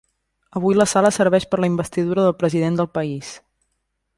Avui la sala serveix per a la investidura del President del País.